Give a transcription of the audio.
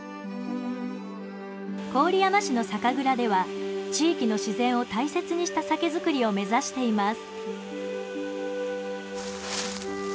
郡山市の酒蔵では地域の自然を大切にした酒造りを目指しています。